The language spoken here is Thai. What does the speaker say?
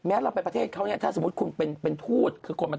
แม้เราเป็นประเทศเขาเนี่ยถ้าสมมุติคุณเป็นทูต